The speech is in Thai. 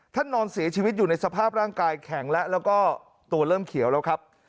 นอนเสียชีวิตอยู่ในสภาพร่างกายแข็งแล้วแล้วก็ตัวเริ่มเขียวแล้วครับ